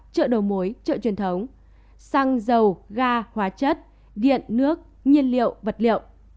chợ đầu mối chợ truyền thống xăng dầu ga hóa chất điện nước nhiên liệu vật liệu